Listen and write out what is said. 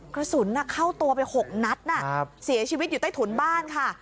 กระสุนเข้าตัวไป๖นัดเสียชีวิตอยู่ใต้ถุนบ้านค่ะ